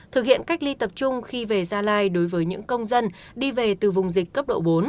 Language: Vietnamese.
thực hiện cách ly tập trung khi về gia lai đối với những công dân đi về từ vùng dịch cấp độ bốn